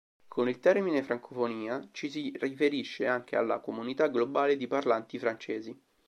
Con il termine Francofonia ci si riferisce anche alla comunità globale di parlanti francesi.